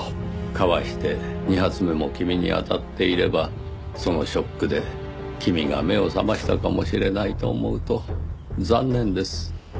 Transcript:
かわして２発目も君に当たっていればそのショックで君が目を覚ましたかもしれないと思うと残念です。